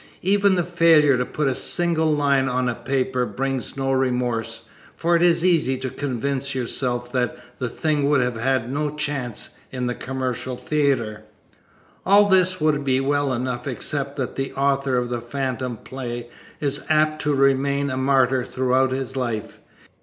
Even the failure to put a single line on paper brings no remorse, for it is easy to convince yourself that the thing would have had no chance in the commercial theater. All this would be well enough except that the author of a phantom play is apt to remain a martyr throughout his life.